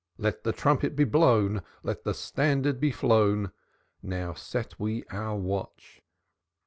Let the trumpet be blown, Let the standard be flown, Now set we our watch.